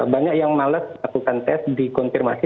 banyak yang males lakukan tes dikonfirmasi